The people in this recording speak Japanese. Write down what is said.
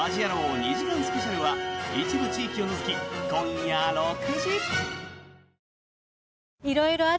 ２時間スペシャルは一部地域を除き、今夜６時。